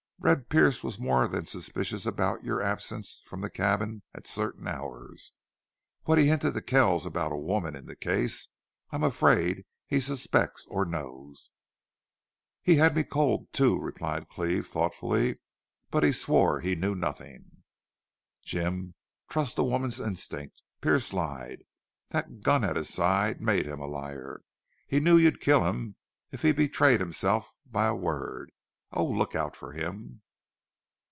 Red Pearce was more than suspicious about your absence from the cabin at certain hours. What he hinted to Kells about a woman in the case! I'm afraid he suspects or knows." "He had me cold, too," replied Cleve, thoughtfully. "But he swore he knew nothing." "Jim, trust a woman's instinct. Pearce lied. That gun at his side made him a liar. He knew you'd kill him if he betrayed himself by a word. Oh, look out for him!"